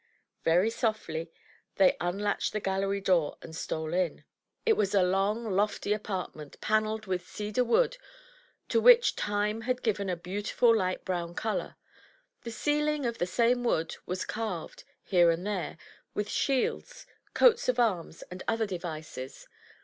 Very softly they unlatched the gallery door, and stole in. It was a long, lofty apartment, panelled with cedar wood, to which time had given a beautiful light brown color. The ceiling, of the same wood, was carved, here and there, with shields, coats of arms, and other devices.